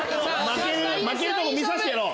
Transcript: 負けるとこ見させてやろう。